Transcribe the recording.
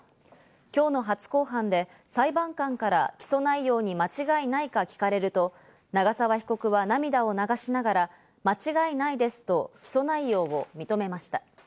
今日の初公判で裁判官から起訴内容に間違いないか聞かれると、長沢被告は涙を流しながら、間違いないですと起訴内容を認めました。